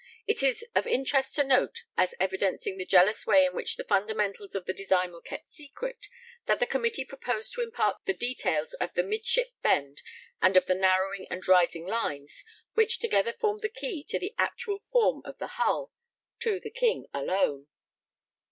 It is of interest to note, as evidencing the jealous way in which the fundamentals of the design were kept secret, that the Committee proposed to impart the details of the midship bend and of the narrowing and rising lines, which together formed the key to the actual form of the hull, to the King alone.